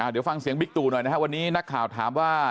เดี๋ยวฟังเสียงบิ๊กตู่หน่อยนะครับวันนี้นักข่าวถามว่า